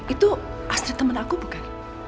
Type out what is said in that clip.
itu astrid temen aku bukan